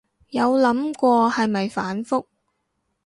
有諗過係咪反覆